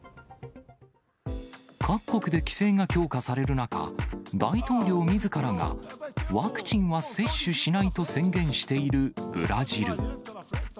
各国で規制が強化される中、大統領みずからがワクチンは接種しないと宣言しているブラジル。